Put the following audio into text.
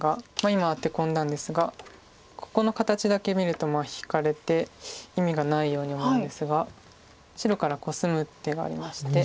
今アテ込んだんですがここの形だけ見ると引かれて意味がないように思うんですが白からコスむ手がありまして。